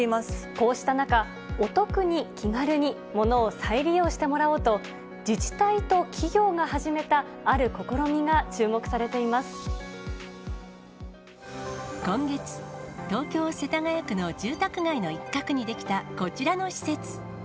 こうした中、お得に、気軽に物を再利用してもらおうと、自治体と企業が始めた今月、東京・世田谷区の住宅街の一角に出来たこちらの施設。